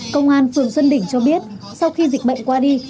công an phường xuân đỉnh cho biết sau khi dịch bệnh qua đi